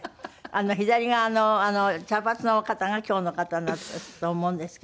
あの左側の茶髪の方が今日の方だと思うんですけど。